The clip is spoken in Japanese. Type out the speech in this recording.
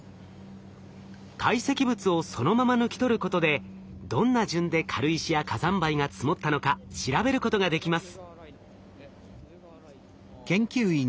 堆積物をそのまま抜き取ることでどんな順で軽石や火山灰が積もったのか調べることができます。